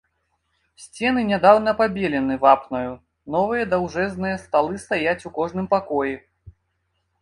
Сцены нядаўна пабелены вапнаю, новыя даўжэзныя сталы стаяць у кожным пакоі.